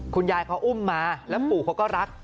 คุณยายเขาอุ้มมาแล้วปู่เขาก็รัก